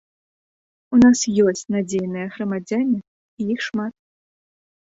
У нас ёсць надзейныя грамадзяне і іх шмат.